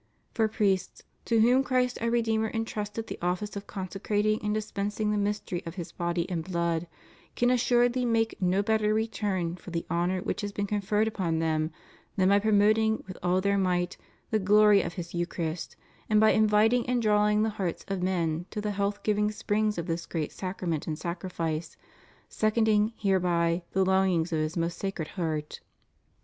For priests, to whom Christ our Re deemer entrusted the office of consecrating and dispensing the mystery of His body and blood, can assuredly make no better return for the honor which has been conferred upon them, than by promoting with all their might the glory of His Eucharist, and by inviting and drawing the hearts of men to the health giving springs of this great Sacrament and Sacrifice, seconding hereby the longings of His Most Sacred Heart.